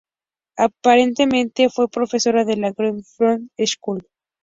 Aparentemente, fue profesora de la Greenwich House Music School.